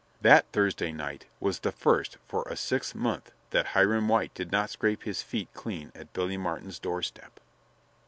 That Thursday night was the first for a six month that Hiram White did not scrape his feet clean at Billy Martin's doorstep.